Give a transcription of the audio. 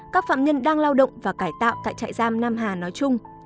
các phạm nhân đang lao động và cải tạo tại trại giam nam hà nói chung